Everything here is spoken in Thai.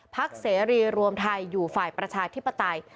เสรีรวมไทยอยู่ฝ่ายประชาธิปไตย